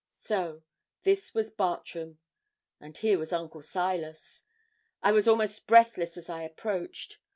So this was Bartram, and here was Uncle Silas. I was almost breathless as I approached.